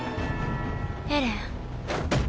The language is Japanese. エレン。